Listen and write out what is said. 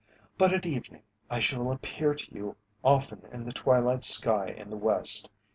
But at evening I shall appear to you often in the twilight sky in the west.